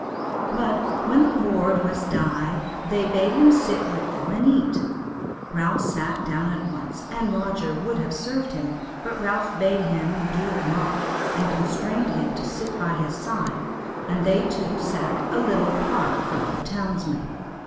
But when the board was dight they bade them sit down with them and eat. Ralph sat down at once, and Roger would have served him, but Ralph bade him do it not, and constrained him to sit by his side, and they two sat a little apart from the townsmen.